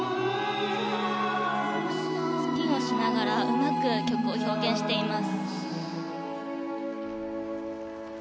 スピンをしながらうまく曲を表現しています。